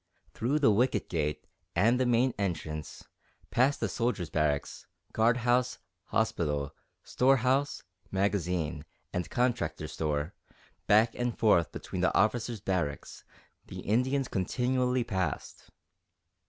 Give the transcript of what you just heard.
Through the wicket gate and the main entrance, past the soldiers' barracks, guard house, hospital, storehouse, magazine, and contractor's store, back and forth between the officers' barracks, the Indians continually passed.